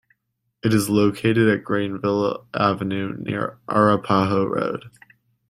It is located at Greenville Avenue near Arapaho Road.